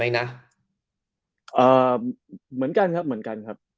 เอ๊ะเหมือนกันครับ